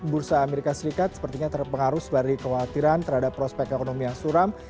bursa amerika serikat sepertinya terpengaruh sebagai kekhawatiran terhadap prospek ekonomi yang suram